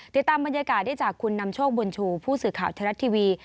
ติดตามบรรยากาศได้จากคุณนำโชคบุญชูผู้สื่อข่าวไทยรัฐทีวี